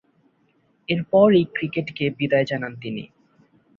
এরপরই ক্রিকেটকে বিদায় জানান তিনি।